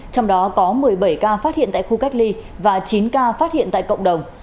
trong đó có một mươi bảy ca phát hiện tại khu cách ly và chín ca phát hiện tại cộng đồng